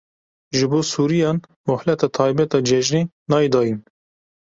Ji bo Sûriyan mohleta taybet a cejnê nayê dayîn.